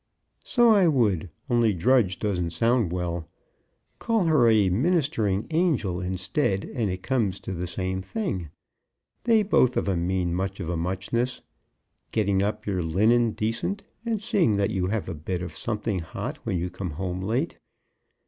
"So I would, only drudge don't sound well. Call her a ministering angel instead, and it comes to the same thing. They both of 'em means much of a muchness; getting up your linen decent, and seeing that you have a bit of something hot when you come home late.